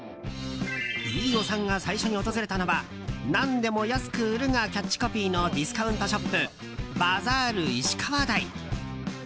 飯尾さんが最初に訪れたのは何でも安く売るがキャッチコピーのディスカウントショップバザール石川台。